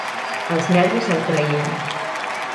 Els nervis el traïen.